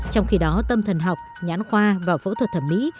trong khi đó tâm thần học nhãn khoa và phẫu thuật thẩm mỹ